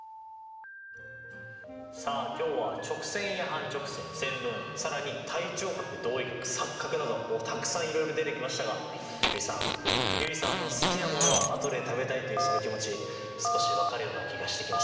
さあ今日は直線や半直線線分更に対頂角同位角錯角などたくさんいろいろ出てきましたが結衣さん結衣さんの好きなものは後で食べたいというその気持ち少し分かるような気がしてきました。